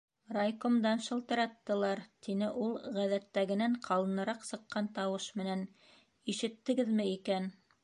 Райкомдан шылтыраттылар, - тине ул ғәҙәттәгенән ҡалыныраҡ сыҡҡан тауыш менән, - ишеттегеҙме икән...